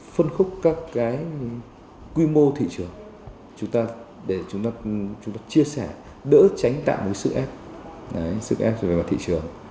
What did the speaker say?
phân khúc các cái quy mô thị trường để chúng ta chia sẻ đỡ tránh tạo một sự ép về thị trường